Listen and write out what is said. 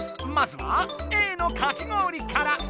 まずはＡのかき氷から。